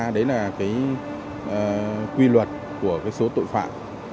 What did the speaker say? đấy là cái quy luật của số tội phạm